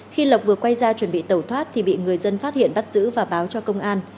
khi lộc vừa quay ra chuẩn bị tẩu thoát thì bị người dân phát hiện bắt giữ và báo cho công an